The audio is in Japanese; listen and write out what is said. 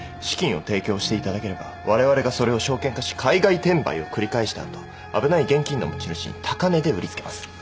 資金を提供していただければわれわれがそれを証券化し海外転売を繰り返した後危ない現金の持ち主に高値で売りつけます。